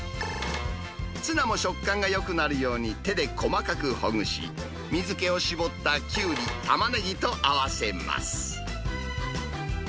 ツナも食感がよくなるように、手で細かくほぐし、水けを絞ったきゅうり、たまねぎと合わせます。